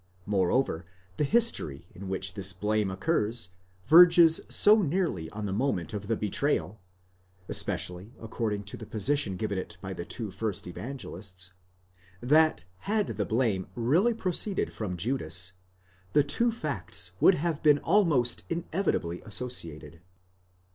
Moreover, the history in which this blame occurs, verges so nearly on the moment of the betrayal (especially according to the position given to it by the two first Evangelists), that had the blame really proceeded from Judas, the two facts would have been almost inevitably associated.